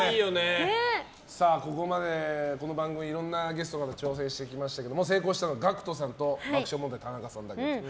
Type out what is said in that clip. ここまでこの番組いろんなゲストが挑戦してきましたが成功したのはＧＡＣＫＴさんと爆笑問題の田中さんだけ。